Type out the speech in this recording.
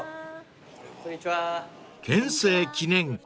［憲政記念館